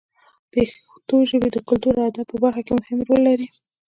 پښتو ژبه د کلتور او ادب په برخه کې مهم رول لري.